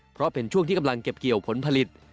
เพราะเป็นช่วงที่กำลังเก็บเกี่ยวผลผลิต